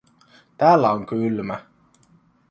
Täällä on kylmä